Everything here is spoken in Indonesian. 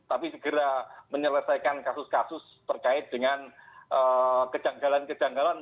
tapi segera menyelesaikan kasus kasus terkait dengan kejanggalan kejanggalan